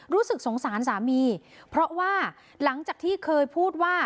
รู้สึกสงสารสามีเพราะว่าหลังจากที่เคยพูดว่า